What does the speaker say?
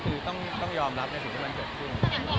คือต้องยอมรับในสิ่งที่มันเกิดขึ้น